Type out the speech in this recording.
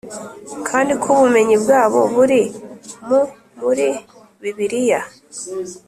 kandi ko ubumenyi bwabo buri mu muri bibiriya.